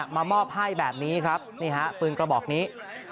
มามอบให้แบบนี้ครับนี่ฮะปืนกระบอกนี้